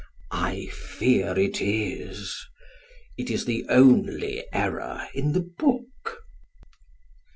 I fear it is. It is the only error in the book.